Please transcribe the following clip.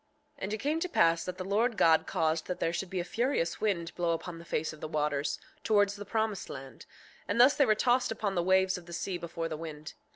6:5 And it came to pass that the Lord God caused that there should be a furious wind blow upon the face of the waters, towards the promised land; and thus they were tossed upon the waves of the sea before the wind.